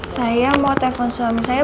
saya mau telepon suami saya